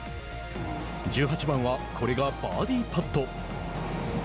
１８番はこれがバーディーパット。